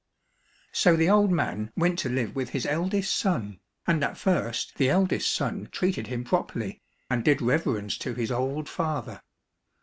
So the old man went to live with his eldest son, and at first the eldest son treated him properly, and did reverence to his old father.